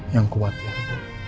yang kuat ya ibu